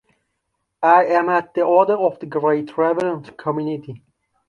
I am at the order of the great reverend community.